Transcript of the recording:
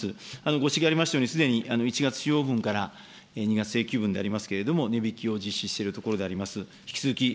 ご指摘ありましたように、すでに１月使用分から２月請求分でありますけれども、値引きをしているところでございます。